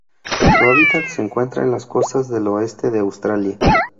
Su hábitat se encuentra en las costas del oeste de Australia.